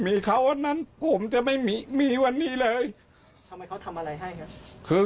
จะอย่างไรก็ไม่รู้